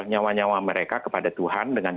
nyawa nyawa mereka kepada tuhan dengan